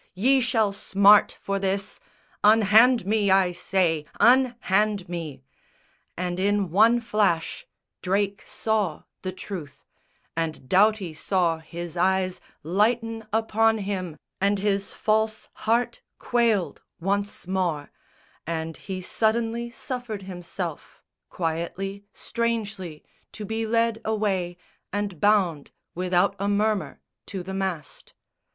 Ye shall smart for this! Unhand me, I say, unhand me!" And in one flash Drake saw the truth, and Doughty saw his eyes Lighten upon him; and his false heart quailed Once more; and he suddenly suffered himself Quietly, strangely, to be led away And bound without a murmur to the mast.